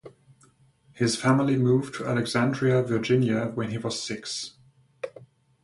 His family moved to Alexandria, Virginia, when he was six.